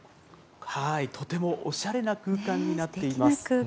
とてもおしゃれな空間になっています。